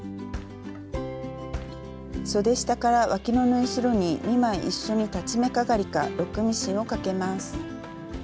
そで下からわきの縫い代に２枚一緒に裁ち目かがりかロックミシンをかけます。